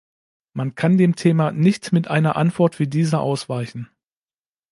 Man kann dem Thema nicht mit einer Antwort wie dieser ausweichen.